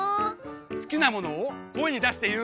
すきなものをこえにだしていう。